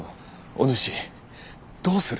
おぬしどうする？